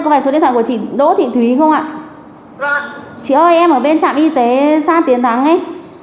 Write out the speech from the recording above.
chị ơi em ở bên trạm y tế xa tiến thắng ấy